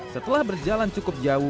setelah berjalan cukup jauh